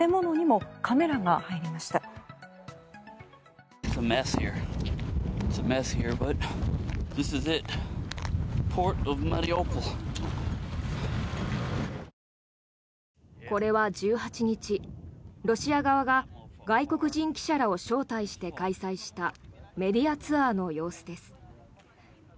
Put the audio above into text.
これは１８日、ロシア側が外国人記者らを招待して開催したメディアツアーの様子です。